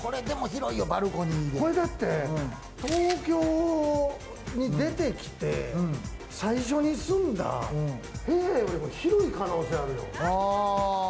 これ、東京に出てきて、最初に住んだ部屋よりも広い可能性あるよ。